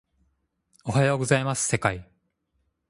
おはようございます世界